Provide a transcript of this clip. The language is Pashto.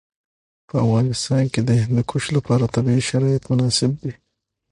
په افغانستان کې د هندوکش لپاره طبیعي شرایط مناسب دي.